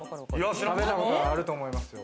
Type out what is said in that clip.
食べたことあると思いますよ。